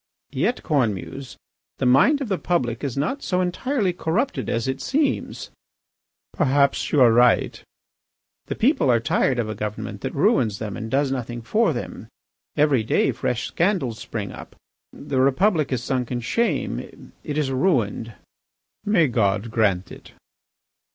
"Yet, Cornemuse, the mind of the public is not so entirely corrupted as it seems." "Perhaps you are right." "The people are tired of a government that ruins them and does nothing for them. Every day fresh scandals spring up. The Republic is sunk in shame. It is ruined." "May God grant it!"